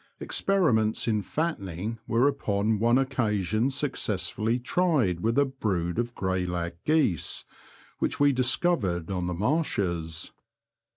Experiments in fattening were upon one oc casion succesfiilly tried with a brood of grey lag geese which we discovered on the marshes.